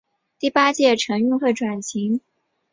第八届城运会转型为第一届青年运动会。